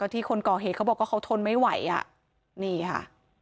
ที่คนครกเหตุเค้าบอกเค้าทนไม่ไหวนี่ค่ะ